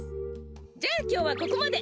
じゃあきょうはここまで。